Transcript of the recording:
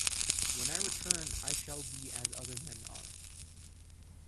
When I return I shall be as other men are.